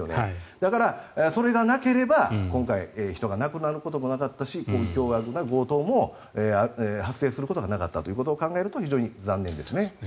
だから、それがなければ今回人が亡くなることもなかったし凶悪な強盗も発生することがなかったということを考えると非常に残念ですね。